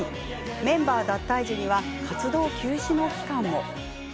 メンバー脱退時には活動休止の期間も。